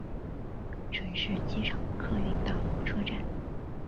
城市机场客运大楼车站。